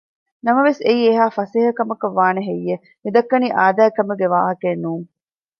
ނަމަވެސް އެއީ އެހާ ފަސޭހަ ކަމަކަށް ވާނެ ހެއްޔެވެ؟ މި ދައްކަނީ އާދައިގެ ކަމެއް ގެ ވާހަކައެއް ނޫން